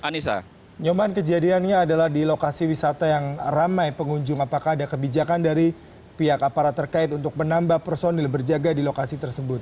dan yang kejadiannya adalah di lokasi wisata yang ramai pengunjung apakah ada kebijakan dari pihak aparat terkait untuk menambah personil berjaga di lokasi tersebut